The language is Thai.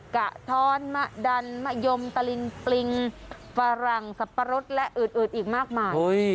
กะท้อนมะดันมะยมตะลิงปริงฝรั่งสับปะรดและอื่นอีกมากมาย